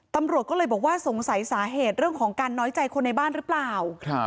ตำรวจก็เลยบอกว่าสงสัยสาเหตุเรื่องของการน้อยใจคนในบ้านหรือเปล่า